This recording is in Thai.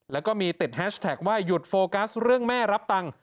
แล้วก็มีติดแฮชแท็กว่าหยุดโฟกัสเรื่องแม่รับตังค์